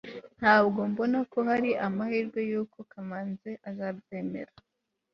ntabwo mbona ko hari amahirwe yuko kamanzi azabyemera